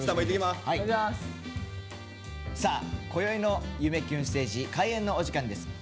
さあこよいの「夢キュンステージ」開演のお時間です。